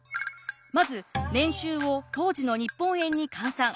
まず年収を当時の日本円に換算。